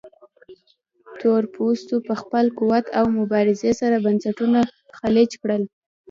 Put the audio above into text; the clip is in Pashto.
تورپوستو په خپل قوت او مبارزې سره بنسټونه چلنج کړل.